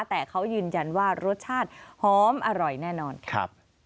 แต่เขายืนยันว่ารสชาติหอมอร่อยแน่นอนครับ